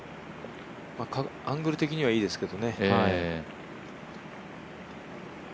アングル的にはいいですけどね。